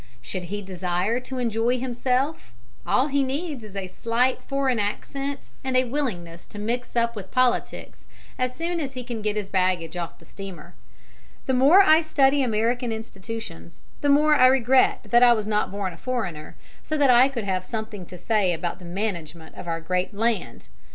Should he desire to enjoy himself, all he needs is a slight foreign accent and a willingness to mix up with politics as soon as he can get his baggage off the steamer. The more I study American institutions the more I regret that I was not born a foreigner, so that I could have something to say about the management of our great land.